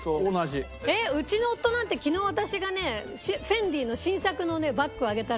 うちの夫なんて昨日私がねＦＥＮＤＩの新作のバッグをあげたらね